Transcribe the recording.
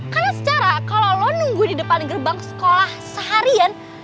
karena secara kalo lo nunggu di depan gerbang sekolah seharian